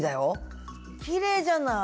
きれいじゃない？